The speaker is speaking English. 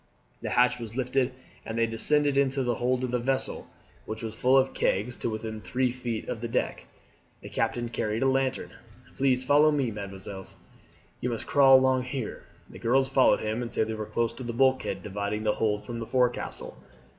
The hatch was lifted and they descended into the hold of the vessel, which was full of kegs to within three feet of the deck. The captain carried a lantern. "Please follow me, mesdemoiselles, you must crawl along here." The girls followed him until they were close to the bulkhead dividing the hold from the forecastle.